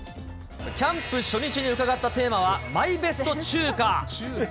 キャンプ初日に伺ったテーマはマイベスト中華。